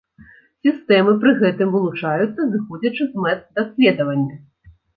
Сістэмы пры гэтым вылучаюцца зыходзячы з мэт даследавання.